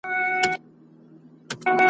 په مخلوق کي اوسېدله خو تنها وه `